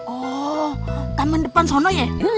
oh taman depan sono ya